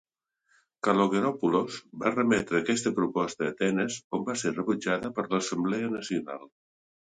Kalogeropoulos va remetre aquesta proposta a Atenes, on va ser rebutjada per l'Assemblea Nacional.